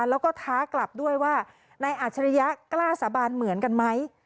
แล้วก็ท้ากลับด้วยว่านายอัจฉริยะกล้าสาบานเหมือนกันไหม